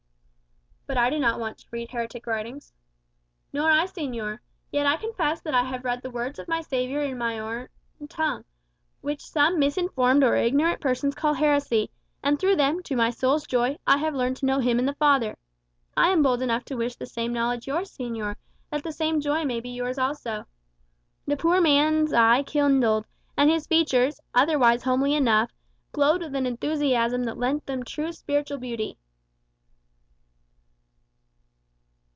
"But I do not want to read heretic writings." "Nor I, señor. Yet I confess that I have read the words of my Saviour in my own tongue, which some misinformed or ignorant persons call heresy; and through them, to my soul's joy, I have learned to know Him and the Father. I am bold enough to wish the same knowledge yours, señor, that the same joy may be yours also." The poor man's eye kindled, and his features, otherwise homely enough, glowed with an enthusiasm that lent them true spiritual beauty.